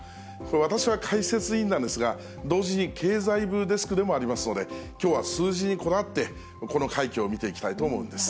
私は解説委員なんですが、同時に経済部デスクでもありますので、きょうは数字にこだわって、この快挙を見ていきたいと思うんです。